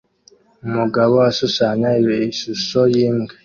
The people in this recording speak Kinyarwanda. Umugabo ashushanya ishusho yimbwa